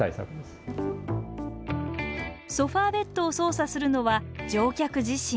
ソファーベッドを操作するのは乗客自身。